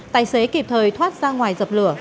tài xế kịp thời thoát ra ngoài dập lửa